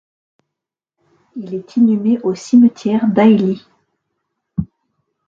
Il est inhumé au cimetière d'Heilly.